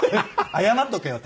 謝っとけよ。